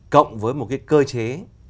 cộng với một cái cơ chế